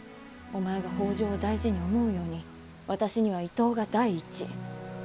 お前が北条を大事に思うように私には伊東が第一。